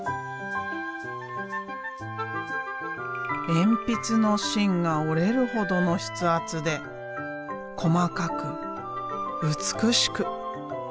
鉛筆の芯が折れるほどの筆圧で細かく美しく。